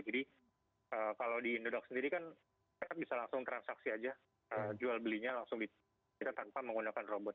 jadi kalau di indodax sendiri kan bisa langsung transaksi aja jual belinya langsung kita tanpa menggunakan robot